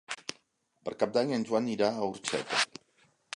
Per Cap d'Any en Joan irà a Orxeta.